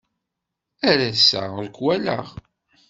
Ar ass-a ur k-walaɣ.